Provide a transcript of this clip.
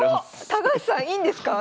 高橋さんいいんですか？